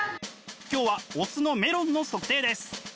今日は雄のメロンの測定です。